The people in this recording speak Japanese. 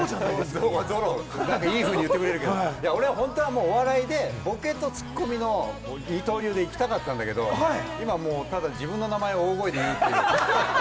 いいように言ってくれるけれども、お笑いでボケとツッコミの二刀流で行きたかったんだけれども、今もう、自分の名前を大声で、ただ言うと。